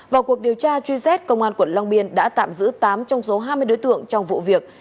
vào cuộc điều tra truy xét công an quận long biên đã tạm giữ tám trong số hai mươi đối tượng trong vụ việc